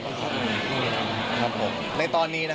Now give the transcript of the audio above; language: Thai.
มันทำงานคือเจนลหี่ครับ